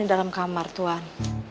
di dalam kamar tuan